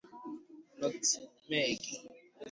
Nọtmeegị